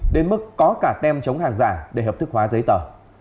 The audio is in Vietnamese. đến mức có cả tem chống hàng giả để hợp thức hóa giấy tờ